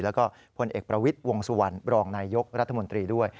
แล้วก็พลเอกประวิทย์วงสุวรรณบรองนายยกรัฐมนตรีด้วย